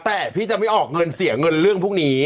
แต่พี่จะไม่ออกเงินเสียเงินเรื่องพวกนี้